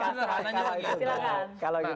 kalau gitu nggak